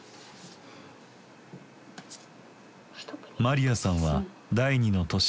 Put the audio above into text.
マリアさんは第二の都市